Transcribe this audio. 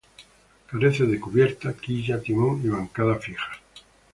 Carece de cubierta, quilla, timón y bancadas fijas.